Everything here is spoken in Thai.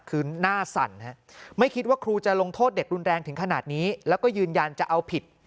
คือหน้าสั่นไม่คิดว่าครูจะลงโทษเด็กรุนแรงถึงขนาดนี้แล้วก็ยืนยันจะเอาผิด